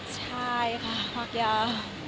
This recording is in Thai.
ใช่ค่ะภาคยา